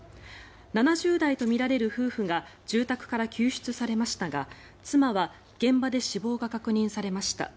７０代とみられる夫婦が住宅から救出されましたが妻は現場で死亡が確認されました。